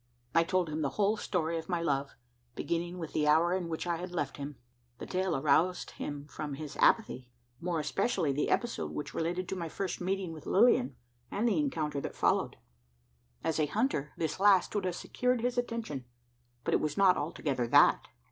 I told him the whole story of my love beginning with the hour in which I had left him. The tale aroused him from his apathy more especially the episode, which related to my first meeting with Lilian, and the encounter that followed. As a hunter, this last would have secured his attention; but it was not altogether that.